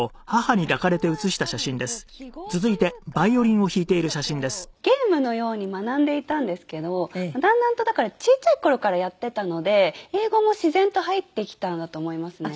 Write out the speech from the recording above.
もう最初は多分記号というかなんかこうゲームのように学んでいたんですけどだんだんとだからちっちゃい頃からやってたので英語も自然と入ってきたんだと思いますね。